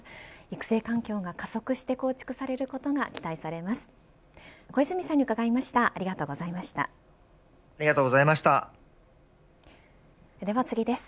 育成環境が加速して構築されることが期待されます。